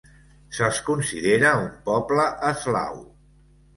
Se'ls considera un poble eslau.